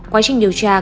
quá trình điều tra